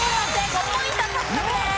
５ポイント獲得です。